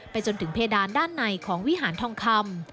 จนถึงเพดานด้านในของวิหารทองคำ